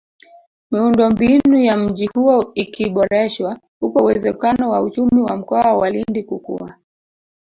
Miundombinu ya mji huo ikiboreshwa upo uwezekano wa uchumi wa Mkoa wa Lindi kukua